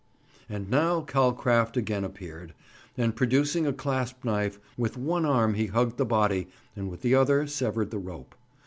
And now Calcraft again appeared, and producing a clasp knife, with one arm he hugged the body and with the other severed the rope.